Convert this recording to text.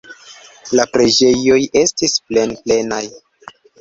La preĝejoj estis plenplenaj.